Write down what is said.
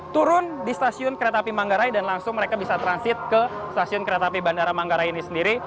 turun di stasiun kereta api manggarai dan langsung mereka bisa transit ke stasiun kereta api bandara manggarai ini sendiri